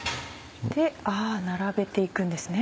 あ並べて行くんですね。